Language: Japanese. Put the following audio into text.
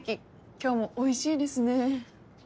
今日もおいしいですね。